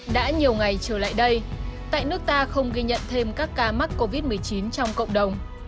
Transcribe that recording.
đã nhiều ngày trở lại đây tại nước ta không ghi nhận thêm các ca mắc covid một mươi chín trong cộng đồng